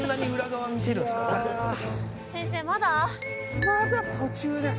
いやまだ途中です